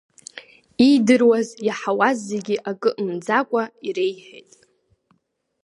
Иидыруаз-иаҳауаз зегьы акы мӡакәа иреиҳәеит.